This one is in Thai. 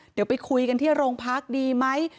เดี๋ยวไปคุยกันที่โรงพักดีไหม